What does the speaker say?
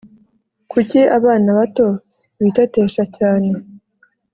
Kucyi abana bato bitetesha cyane?